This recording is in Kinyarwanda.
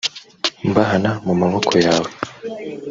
mbahana mu maboko yawe